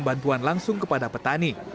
bantuan langsung kepada petani